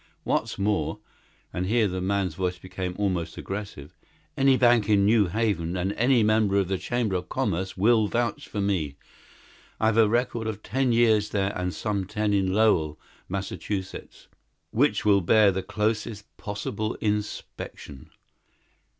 What's more" and here the man's voice became almost aggressive "any bank in New Haven and any member of the Chamber of Commerce will vouch for me. I've a record of ten years there and some ten in Lowell, Mass., which will bear the closest possible inspection."